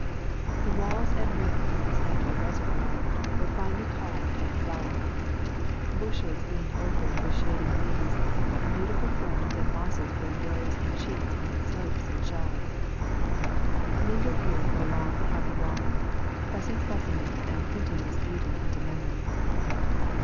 The walls and rim of this natural reservoir were finely carved and flowered. Bushes leaned over it with shading leaves, and beautiful ferns and mosses were in rows and sheets on its slopes and shelves. Lingered here a long happy while, pressing specimens and printing this beauty into memory.